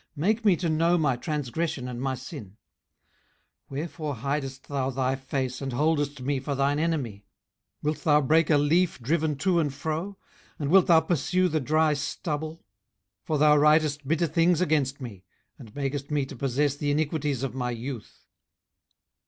make me to know my transgression and my sin. 18:013:024 Wherefore hidest thou thy face, and holdest me for thine enemy? 18:013:025 Wilt thou break a leaf driven to and fro? and wilt thou pursue the dry stubble? 18:013:026 For thou writest bitter things against me, and makest me to possess the iniquities of my youth.